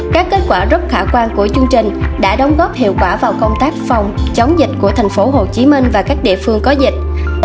các kết quả rất khả quan của chương trình đã đóng góp hiệu quả vào công tác phòng chống dịch của thành phố hồ chí minh và các địa phương có dịch